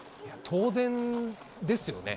当然ですよね。